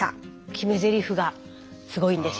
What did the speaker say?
決めぜりふがすごいんですよね。